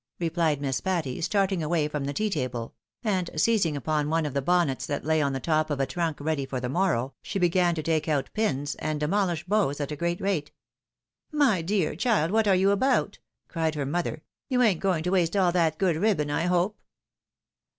" replied Miss Patty, starting away from the tea table ; and seizing upon one of the bonnets that lay on the top of a trunk ready for ^he morrow^ she began to take out pins, and demolish bows at a great rate. " My dear chUd, what are you about ?" cried her mother ;" you ain't going to waste aU that good ribbon, I hope